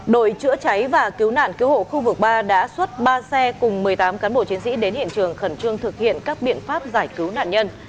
đội chữa cháy và cứu nạn cứu hộ khu vực ba đã xuất ba xe cùng một mươi tám cán bộ chiến sĩ đến hiện trường khẩn trương thực hiện các biện pháp giải cứu nạn nhân